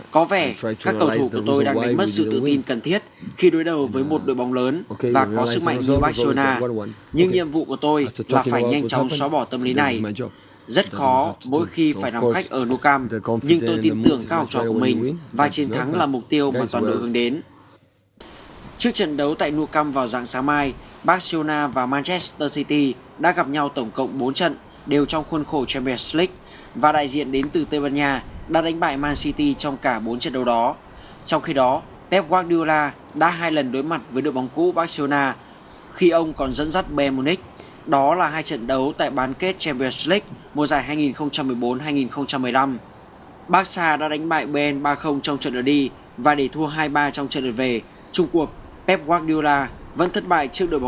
có vẻ các cầu thủ của tôi đang đánh mất sự tự tin cần thiết khi đối đầu với một đội bóng lớn và có sức mạnh như barcelona